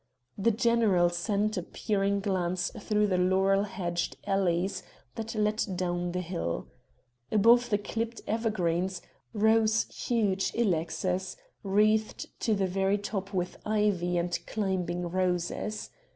The general sent a peering glance through the laurel hedged alleys that led down the hill. Above the clipped evergreens, rose huge ilexes, wreathed to the very top with ivy and climbing roses.